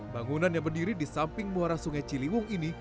bangunan yang berdiri di samping muara sungai ciliwung ini